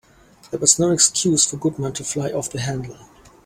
There was no excuse for Goodman to fly off the handle.